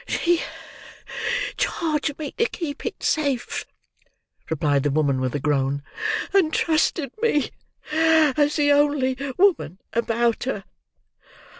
"She charged me to keep it safe," replied the woman with a groan, "and trusted me as the only woman about her.